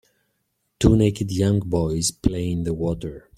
Two naked young boys play in the water.